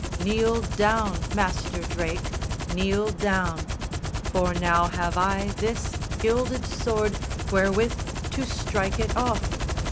Kneel down, Master Drake, Kneel down; for now have I this gilded sword Wherewith to strike it off.